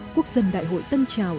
quốc dân đại hội tân trào